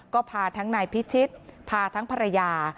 ก็พาทั้งนายพิชิตพาทั้งภรรยา